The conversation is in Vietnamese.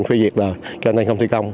phê diệt rồi cho nên không thi công